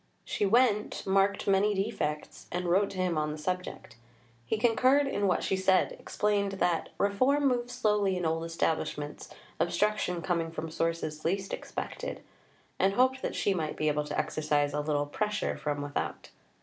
She went, marked many defects, and wrote to him on the subject. He concurred in what she said, explained that "reform moves slowly in old establishments, obstruction coming from sources least expected," and hoped that she might be able to exercise "a little pressure from without."